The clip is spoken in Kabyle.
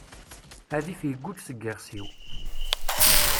Adif yegguğ seg yiɣes-iw.